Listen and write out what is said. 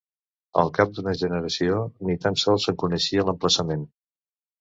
Al cap d'una generació, ni tan sols se'n coneixia l'emplaçament.